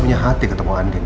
udah di dateng ya nung